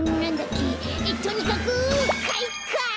とにかくかいか！